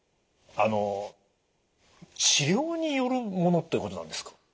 あの治療によるものってことなんですか？